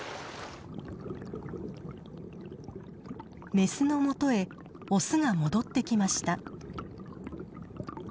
メスのもとへオスが戻ってきました。